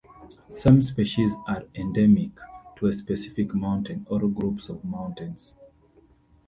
Some species are endemic to a specific mountain or groups of mountains.